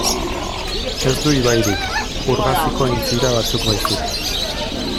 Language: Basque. Ez du ibairik, ur gaziko aintzira batzuk baizik.